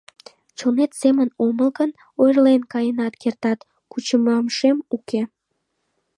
— Чонет семын омыл гын, ойырлен каенат кертат, кучымашем уке.